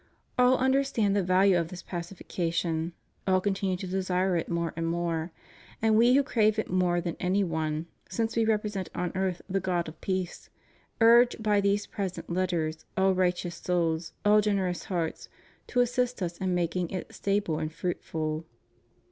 All understand the value of this pacification; all continue to desire it more and more. And We who crave it more than any one, since We repre sent on earth the God of peace, urge by these present Letters all righteous souls, all generous hearts, to assist Us in making it stable and fruitful.